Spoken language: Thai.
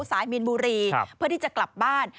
สายมีนบุรีเพื่อที่จะกลับบ้าน